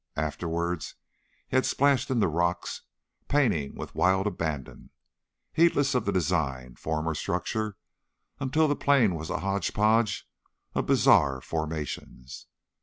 Afterward he had splashed in the rocks, painting with wild abandon, heedless of design, form or structure, until the plain was a hodgepodge of bizarre formations.